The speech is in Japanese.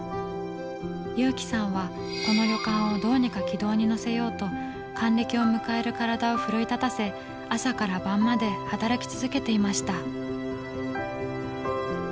勇毅さんはこの旅館をどうにか軌道にのせようと還暦を迎える体を奮い立たせ朝から晩まで働き続けていました。